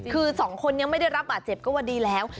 คือสองคนยังไม่ได้รับบาดเจ็บก็ว่าดีแล้ว